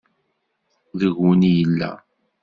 Deg-wen i yella.